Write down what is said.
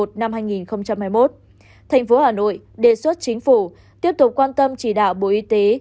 thành phố hà nội đề xuất chính phủ tiếp tục quan tâm chỉ đạo bộ y tế